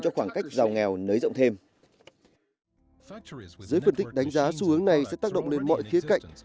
nó sẽ có một khoảng cách sẽ rộng ra